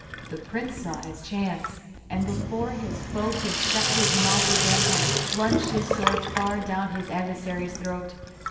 The prince saw his chance, and before his foe could shut his mouth again had plunged his sword far down his adversary's throat.